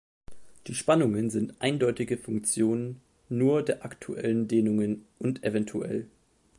Die Spannungen sind eindeutige Funktionen nur der aktuellen Dehnungen und evtl.